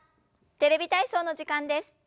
「テレビ体操」の時間です。